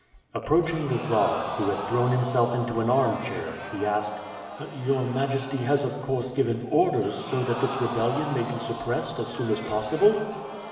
Approaching the Czar, who had thrown himself into an armchair, he asked, "Your majesty has of course given orders so that this rebellion may be suppressed as soon as possible?"